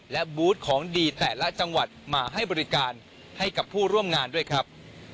และบูธของดีแต่ละจังหวัดมาให้บริการให้กับผู้ร่วมงานด้วยครับ